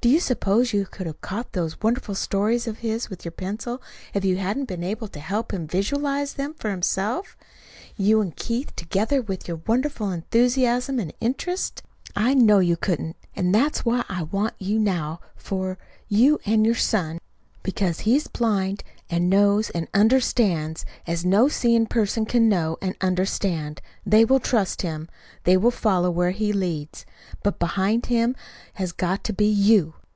Do you suppose you could have caught those wonderful stories of his with your pencil, if you hadn't been able to help him visualize them for himself you and Keith together with your wonderful enthusiasm and interest? "I know you couldn't. And that's what I want you now for you and your son. Because he is blind, and knows, and understands, as no seeing person can know and understand, they will trust him; they will follow where he leads. But behind him has got to be YOU.